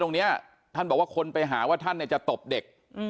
ตรงเนี้ยถ้านเบาะว่าคนไปหาว่าท่านเนี้ยจะตบเด็ก